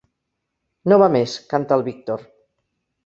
No va més —canta el Víctor.